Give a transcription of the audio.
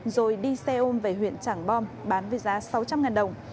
rồi đi xe ôm về huyện trảng bom bán với giá sáu trăm linh đồng